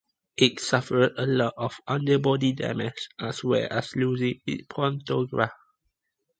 It suffered a lot of underbody damage as well as losing its pantograph.